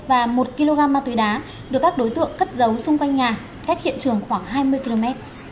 và một kg ma túy đá được các đối tượng cất giấu xung quanh nhà cách hiện trường khoảng hai mươi km